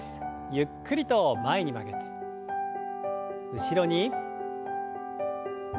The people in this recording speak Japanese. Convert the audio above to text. ゆっくりと前に曲げて後ろに。